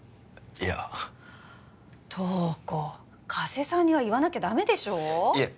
いや瞳子加瀬さんには言わなきゃダメでしょいえ